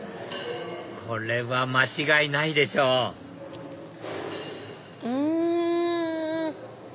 これは間違いないでしょうん！